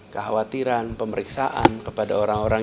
kekhawatiran pemeriksaan kepada orang orang